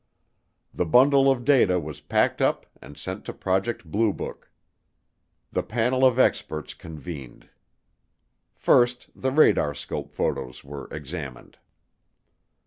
The bundle of data was packed up and sent to Project Blue Book. The panel of experts convened. First, the radarscope photos were examined.